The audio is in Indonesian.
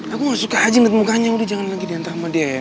aku suka aja net mukanya udah jangan lagi diantar sama dia